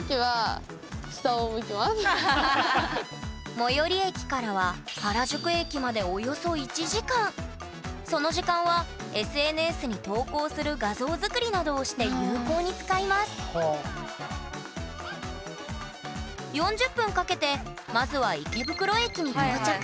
最寄り駅からは原宿駅までその時間はＳＮＳに投稿する画像作りなどをして有効に使います４０分かけてまずは池袋駅に到着。